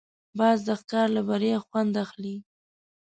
باز د ښکار له بریا خوند اخلي